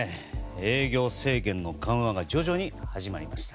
営業制限の緩和が徐々に始まりました。